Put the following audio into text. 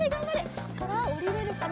そこからおりれるかな？